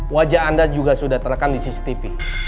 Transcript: wajah anda juga sudah terekam di cctv